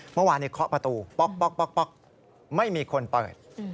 เมื่อวานเคาะประตูป๊อกไม่มีคนเปิด